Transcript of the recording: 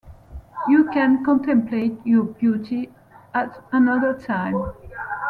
You can contemplate your beauty at another time.